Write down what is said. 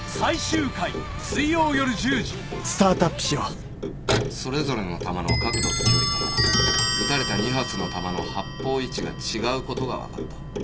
清々堂々清らかなる傑作「伊右衛門」それぞれの弾の角度と距離から撃たれた二発の弾の発砲位置が違うことが分かった。